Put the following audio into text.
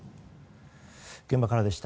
現場からでした。